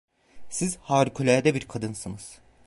Siz harikulade bir kadınsınız!